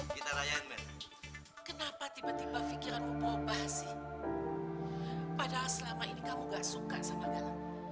kita rayang men kenapa tiba tiba pikiranmu berubah sih padahal selama ini kamu gak suka